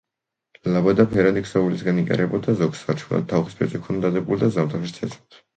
ლაბადა ფერადი ქსოვილისაგან იკერებოდა, ზოგს სარჩულად თახვის ბეწვი ჰქონდა დადებული და ზამთარშიც ეცვათ.